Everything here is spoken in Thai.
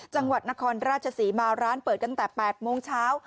จังหวัดนครราชศรีมาร้านเปิดตั้งแต่๘โมงเช้า